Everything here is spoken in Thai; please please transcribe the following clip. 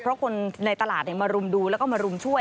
เพราะคนในตลาดมารุมดูแล้วก็มารุมช่วย